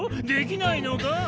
できないのか？